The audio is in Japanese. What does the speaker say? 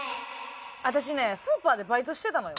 私ねスーパーでバイトしてたのよ。